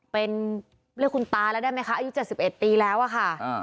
เป็นเรียกคุณตาแล้วได้ไหมคะอายุเจ็บสิบเอ็ดตีแล้วอะค่ะอ่า